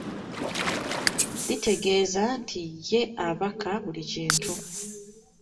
Litegeeza nti ye abaka buli kintu.